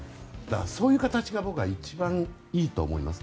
そういう形が僕は一番いいと思います。